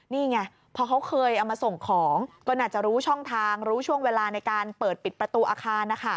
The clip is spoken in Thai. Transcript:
นี่ไงพอเขาเคยเอามาส่งของก็น่าจะรู้ช่องทางรู้ช่วงเวลาในการเปิดปิดประตูอาคาร